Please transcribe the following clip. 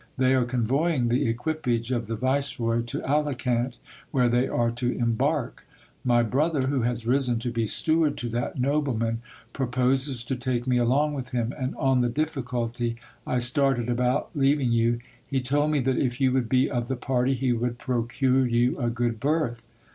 They are convoying the equipage of the viceroy to Alicant, where I they are to embark My brother, who has risen to be steward to that noble | man, proposes to take me along with him ; and on the difficult)' I started about leaving you, he told me that if you would be of the party, he would procure you a good berth.